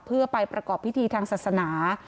เพื่อไปประกอบพิธีทางศาสนา